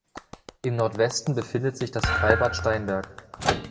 Im Nordwesten befindet sich das Freibad Steinberg.